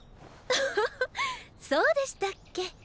オホホそうでしたっけ。